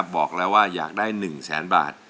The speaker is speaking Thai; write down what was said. บอกเราว่าอยากได้๑สารบาท